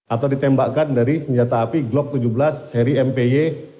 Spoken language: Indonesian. atau ditembakkan dari senjata api glock tujuh belas seri mpy delapan ratus lima puluh satu